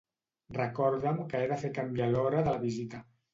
Recorda'm que he de fer per canviar l'hora de la visita.